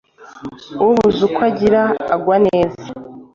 Ubuze uko agira agwa neza.